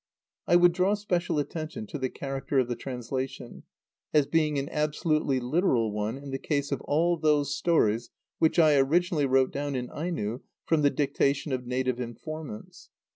I would draw special attention to the character of the translation, as being an absolutely literal one in the case of all those stories which I originally wrote down in Aino from the dictation of native informants.